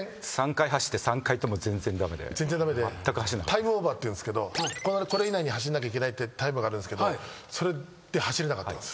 タイムオーバーっていうんですけどこれ以内に走んなきゃいけないってタイムがあるんですけどそれで走れなかったです。